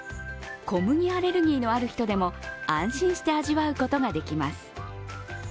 小麦アレルギーのある人でも安心して味わうことができます。